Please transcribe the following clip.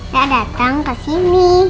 ya datang kesini